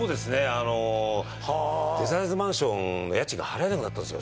あのデザイナーズマンションの家賃が払えなくなったんですよ